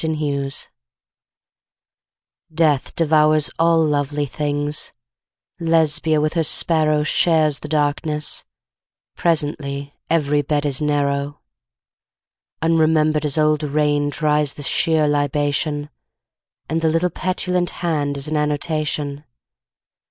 PASSER MORTUUS EST Death devours all lovely things; Lesbia with her sparrow Shares the darkness, presently Every bed is narrow. Unremembered as old rain Dries the sheer libation, And the little petulant hand Is an annotation.